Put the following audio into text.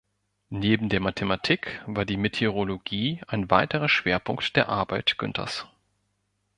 Neben der Mathematik war die Meteorologie ein weiterer Schwerpunkt der Arbeit Günthers.